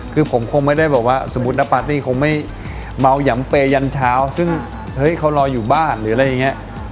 คือผมคงไม่ได้แบบว่าสมมุตินะปาร์ตี้คงไม่เมาหย่ำเปยันเช้าซึ่งเฮ้ยเขารออยู่บ้านหรืออะไรอย่างนี้